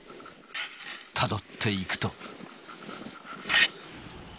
たどっていくと。